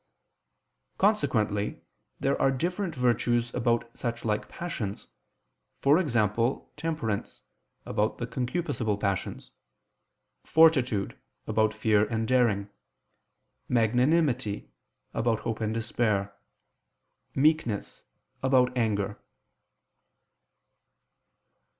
Consequently there are different virtues about such like passions: e.g. temperance, about the concupiscible passions; fortitude, about fear and daring; magnanimity, about hope and despair; meekness, about anger.